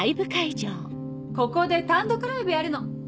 ここで単独ライブやるの。